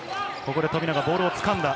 ここで富永、ボールをつかんだ。